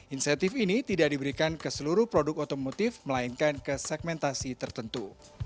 insentif ini tidak diberikan ke seluruh produk otomotif melainkan ke segmentasi tertentu